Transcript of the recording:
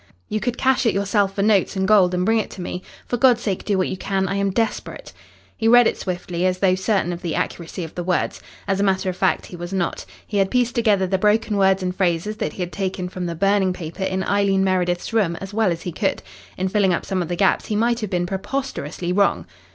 You could cash it yourself for notes and gold and bring it to me. For God's sake do what you can. I am desperate." He read it swiftly, as though certain of the accuracy of the words. As a matter of fact, he was not. He had pieced together the broken words and phrases that he had taken from the burning paper in Eileen Meredith's room as well as he could. In filling up some of the gaps he might have been preposterously wrong.